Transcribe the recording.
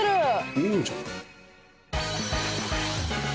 いいんじゃない？